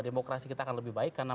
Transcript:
demokrasi kita akan lebih baik karena